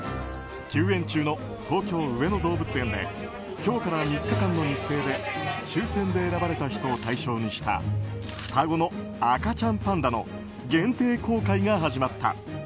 休園中の東京・上野動物園で今日から３日間の日程で抽選で選ばれた人を対象にした双子の赤ちゃんパンダの限定公開が始まった。